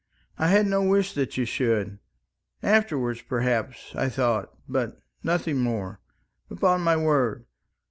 I had no wish that you should. Afterwards, perhaps, I thought, but nothing more, upon my word.